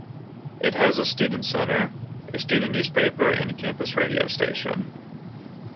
It has a student centre, a student newspaper and a campus radio station.